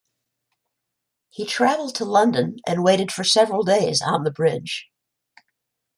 He travelled to London, and waited for several days on the bridge.